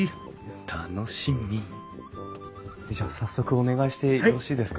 楽しみじゃあ早速お願いしてよろしいですか？